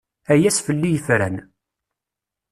Ay ass fell-i yefran.